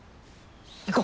行こう！